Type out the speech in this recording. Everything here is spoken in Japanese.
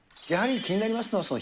やはり気になりますのは、